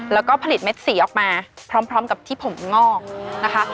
แล้วก็ผลิตเม็ดสีออกมาพร้อมกับที่ผมงอกนะคะ